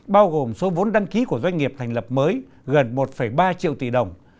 bao gồm số vốn đăng ký của doanh nghiệp thành lập mới gần một ba triệu tỷ đồng